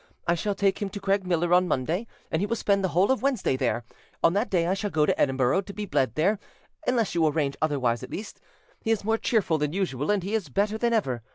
I shall take him to Craigmiller on Monday, and he will spend the whole of Wednesday there. On that day I shall go to Edinburgh to be bled there, unless you arrange otherwise at least. He is more cheerful than usual, and he is better than ever.